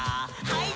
はい。